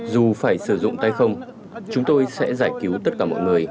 dù phải sử dụng tay không chúng tôi sẽ giải cứu tất cả mọi người